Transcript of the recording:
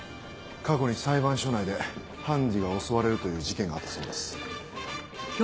過去に裁判所内で判事が襲われるという事件があったそうです。